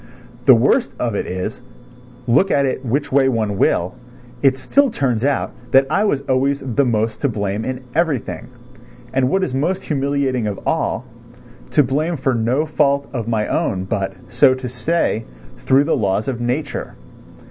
The worst of it is, look at it which way one will, it still turns out that I was always the most to blame in everything. And what is most humiliating of all, to blame for no fault of my own but, so to say, through the laws of nature.